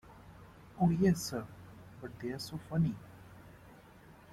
Oh, yes, sir; but they are so funny!